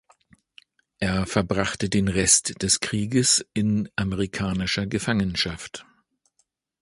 Er verbrachte den Rest des Krieges in amerikanischer Gefangenschaft.